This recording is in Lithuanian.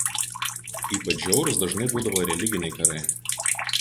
Ypač žiaurūs dažnai būdavo religiniai karai.